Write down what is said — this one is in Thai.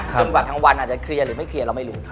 กว่าทั้งวันอาจจะเคลียร์หรือไม่เคลียร์เราไม่รู้